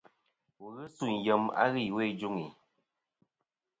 Wù ghɨ suyn yem a ghɨ iwo i juŋi.